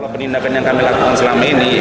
penindakan yang kami lakukan selama ini